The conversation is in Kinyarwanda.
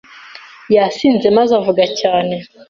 yasinze maze avuga cyane.